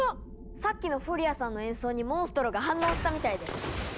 さっきのフォリアさんの演奏にモンストロが反応したみたいです！